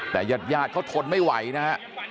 แต่ญาติยาดเขาทนไม่ไหวนะครับ